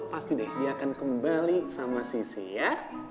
pasti deh dia akan kembali sama sisi ya